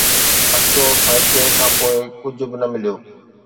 افسوس، هر شيء کان پوء، ڪجهه به نه مليو